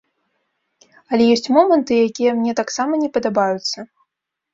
Але ёсць моманты, якія мне таксама не падабаюцца.